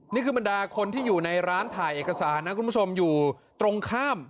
นี่คือบรรดาคนที่อยู่ในร้านถ่ายเอกสารนะคุณผู้ชมอยู่ตรงข้าม